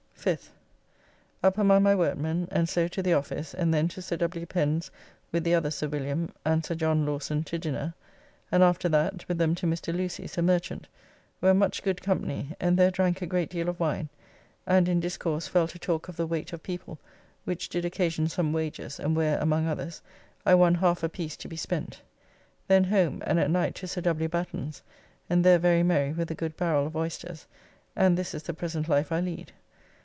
5th: Up among my workmen and so to the office, and then to Sir W. Pen's with the other Sir William and Sir John Lawson to dinner, and after that, with them to Mr. Lucy's, a merchant, where much good company, and there drank a great deal of wine, and in discourse fell to talk of the weight of people, which did occasion some wagers, and where, among others, I won half a piece to be spent. Then home, and at night to Sir W. Batten's, and there very merry with a good barrell of oysters, and this is the present life I lead.